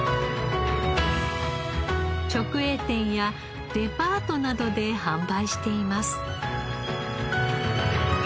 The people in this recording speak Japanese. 直営店やデパートなどで販売しています。